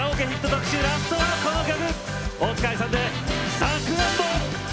特集ラストはこの曲！